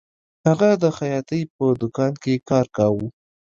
هغه د خیاطۍ په دکان کې کار کاوه